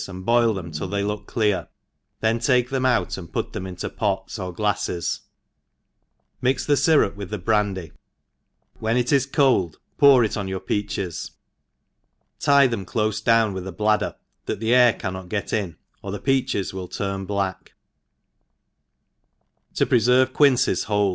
THE EXPERIENCED boil them till they look clear^ then take them Q\it, and put them into pots or glaHes ; mix the iyrup with the brandy, when it is cold pour it on your peaches •, tie them clofe down with a bladder that the air canuot get in^ or the peaches will turn black, Tq fveferye Qpincrs wboh.